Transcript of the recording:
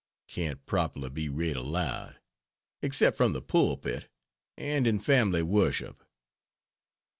can't properly be read aloud, except from the pulpit and in family worship.